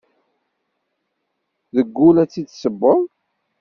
Deg ul ad tt-id ssewweḍ.